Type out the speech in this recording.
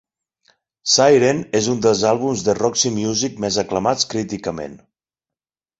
"Siren" és un dels àlbums de Roxy Music més aclamats críticament.